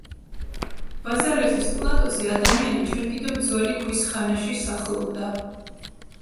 ბაზალეთის პლატოზე ადამიანი ჯერ კიდევ ძველი ქვის ხანაში სახლობდა.